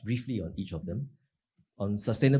biar saya menyambutkan mereka secara singkat